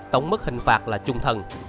tổng mức hình phạt là trung thân